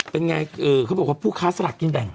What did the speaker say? เป็นไงเขาบอกว่าผู้ค้าสลากกินแบ่ง